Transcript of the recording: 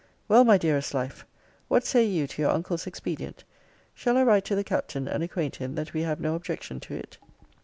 Well, my dearest life, what say you to your uncle's expedient? Shall I write to the Captain, and acquaint him, that we have no objection to it?